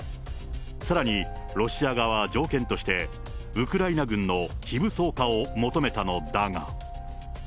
さらに、ロシア側は条件として、ウクライナ軍の非武装化を求めたのだが。